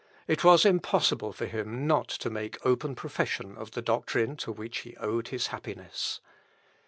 It was impossible for him not to make open profession of the doctrine to which he owed his happiness.